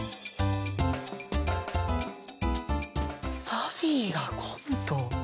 サフィーがコント。